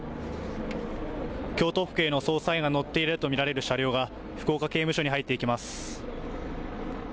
京都府警の捜査員が乗っていると見られる車両が福岡刑務所に入っていきます。